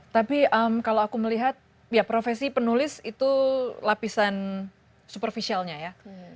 tapi kalau aku melihat ya profesi penulis itu lapisan superficialnya ya